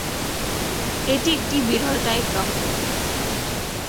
এটি একটি বিরল টাইপ রক্ত গ্রুপ।